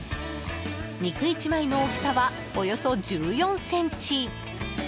肉１枚の大きさはおよそ１４ｃｍ。